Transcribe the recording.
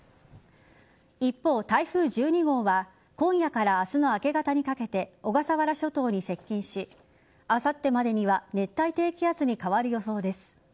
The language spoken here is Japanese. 一方、台風１２号は今夜から明日の明け方にかけて小笠原諸島に接近しあさってまでには熱帯低気圧に変わる予想です。